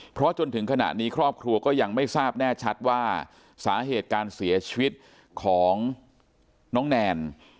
เพราะจนถึงขณะนี้ครอบครัวก็ยังไม่ทราบแน่ชัดว่าสาเหตุการเสียชีวิตของน้องแนน